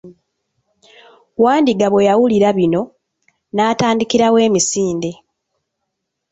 Wandiga bwe yawulira bino, n'atandikirawo emisinde.